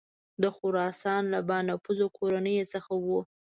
د خراسان له بانفوذه کورنیو څخه وه.